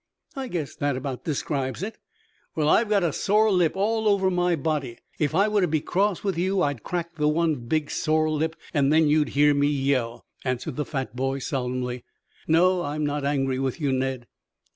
"I guess that about describes it." "Well, I've got a sore lip all over my body. If I were to be cross with you I'd crack the one big, sore lip and then you'd hear me yell," answered the fat boy solemnly. "No, I'm not angry with you, Ned."